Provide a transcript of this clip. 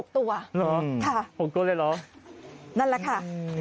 ตัวเหรอ๖ตัวเลยเหรอนั่นแหละค่ะ